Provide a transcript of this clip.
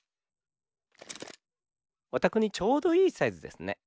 おたくにちょうどいいサイズですね。